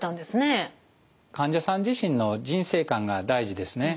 患者さん自身の人生観が大事ですね。